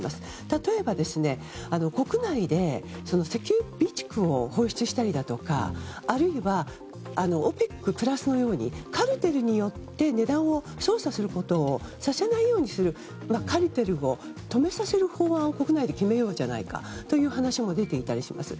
例えば、国内で石油備蓄を放出したりだとかあるいはＯＰＥＣプラスのようにカルテルによって値段を操作することをさせないようにするカルテルを止めさせる法案を国内で決めようじゃないかという話も出ていたりします。